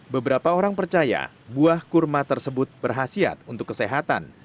beberapa orang percaya buah kurma tersebut berhasil untuk kesehatan